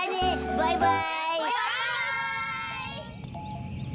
バイバイ！